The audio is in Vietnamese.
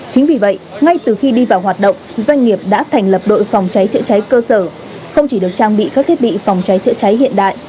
chính vì vậy ngay từ khi đi vào hoạt động doanh nghiệp đã thành lập đội phòng cháy chữa cháy cơ sở không chỉ được trang bị các thiết bị phòng cháy chữa cháy hiện đại